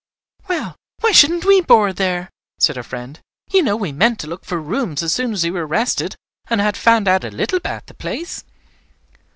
"Well, why shouldn't we board there!" said her friend. "You know we meant to look for rooms as soon as we were rested and had found out a little about the place.